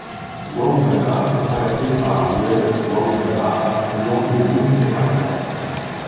Ouaoumana est traversée par l'oued Ouaoumana affluent de l'Oum Errabiaa.